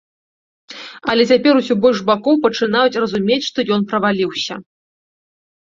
Але цяпер усё больш бакоў пачынаюць разумець, што ён праваліўся.